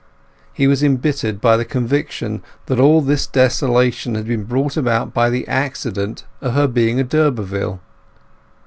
He was embittered by the conviction that all this desolation had been brought about by the accident of her being a d'Urberville.